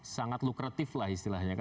sangat lukratif lah istilahnya